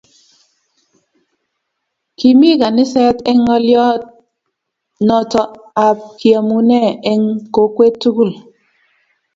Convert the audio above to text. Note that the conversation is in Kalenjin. Kimi kaniset eng ngolyot noto ab kiekumene eng kokwet tukul